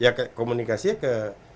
ya komunikasinya ke